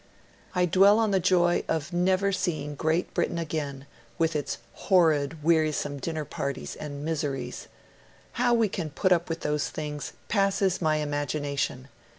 'I dwell on the joy of never seeing Great Britain again, with its horrid, wearisome dinner parties and miseries. How we can put up with those things, passes my imagination!